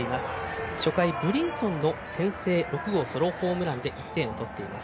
初回ブリンソンの先制６号で１点を取っています。